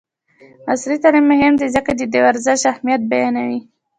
عصري تعلیم مهم دی ځکه چې د ورزش اهمیت بیانوي.